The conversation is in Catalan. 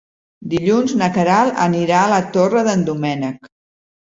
Dilluns na Queralt anirà a la Torre d'en Doménec.